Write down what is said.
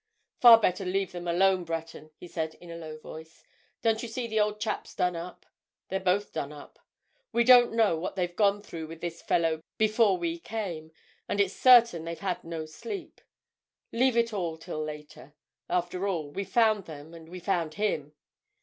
"Far better leave him alone, Breton," he said in a low voice. "Don't you see the old chap's done up? They're both done up. We don't know what they've gone through with this fellow before we came, and it's certain they've had no sleep. Leave it all till later—after all, we've found them and we've found him."